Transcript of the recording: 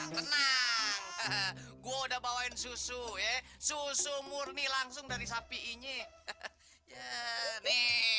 gue udah bawain susu susu murni langsung dari sapi ini